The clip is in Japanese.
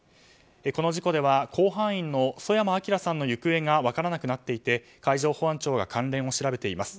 この事故では甲板員の曽山聖さんの行方が分からなくなっていて海上保安庁が関連を調べています。